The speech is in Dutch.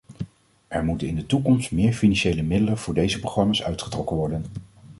Er moeten in de toekomst meer financiële middelen voor deze programma's uitgetrokken worden.